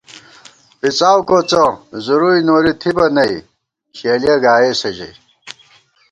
پِڅاؤ کوڅہ زُروئی نوری تھِبہ نئ شلِیہ گائیسہ ژَئی